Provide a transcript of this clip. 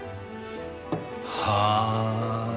はあ！